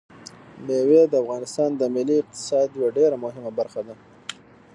مېوې د افغانستان د ملي اقتصاد یوه ډېره مهمه برخه ده.